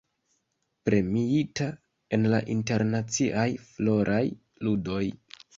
Premiita en la Internaciaj Floraj Ludoj.